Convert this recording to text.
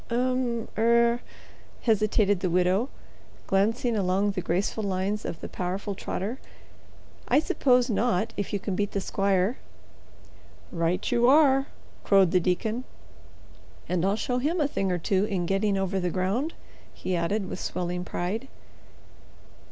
"Um er," hesitated the widow, glancing along the graceful lines of the powerful trotter, "I suppose not if you can beat the squire." "Right you are," crowed the deacon, "and I'll show him a thing or two in getting over the ground," he added with swelling pride.